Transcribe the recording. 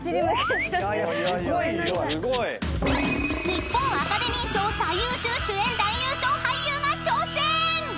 ［日本アカデミー賞最優秀主演男優賞俳優が挑戦！］